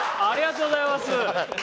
ありがとうございます。